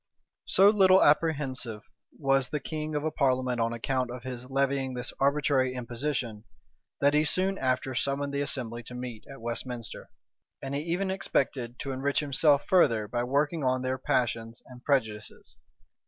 So little apprehensive was the king of a parliament on account of his levying this arbitrary imposition, that he soon after summoned that assembly to meet at Westminster; and he even expected to enrich himself further by working on their passions and prejudices.